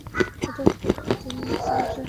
এটা খুবই আধুনিক সাবজেক্ট।